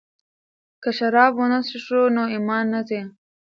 که شراب ونه څښو نو ایمان نه ځي.